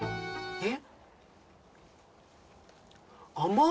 えっ！